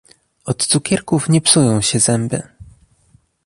"Od cukierków nie psują się zęby“."